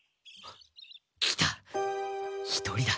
来た１人だ。